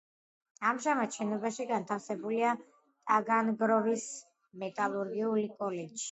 ამჟამად შენობაში განთავსებულია ტაგანროგის მეტალურგიული კოლეჯი.